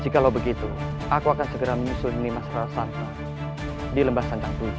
jika lo begitu aku akan segera menyusul nimasara santang di lembah sancang tujuh